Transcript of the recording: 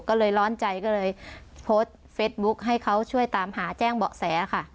ก็เลยร้อนใจก็เลยโพสต์เฟสบุ๊คให้เขาช่วยตามหาแจ้งเบาะแสค่ะ